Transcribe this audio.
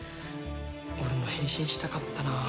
俺も変身したかったな。